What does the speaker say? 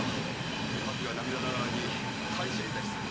おはつが涙ながらに感謝いたしておりました。